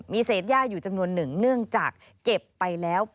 มีเศษย่าอยู่จำนวนหนึ่งเนื่องจากเก็บไปแล้ว